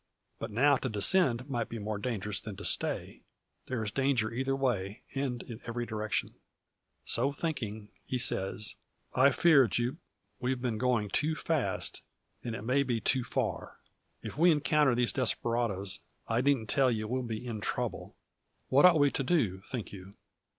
But now to descend might be more dangerous than to stay. There is danger either way, and in every direction. So thinking, he says: "I fear, Jupe, we've been going too fast, and it may be too far. If we encounter these desperadoes, I needn't tell you we'll be in trouble. What ought we to do, think you?"